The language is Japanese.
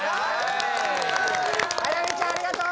絢音ちゃんありがとう！